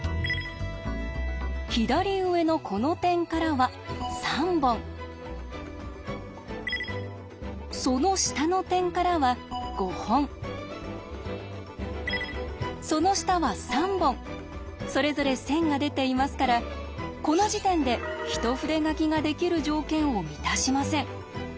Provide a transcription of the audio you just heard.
左上のこの点からは３本その下の点からは５本その下は３本それぞれ線が出ていますからこの時点で一筆書きができる条件を満たしません。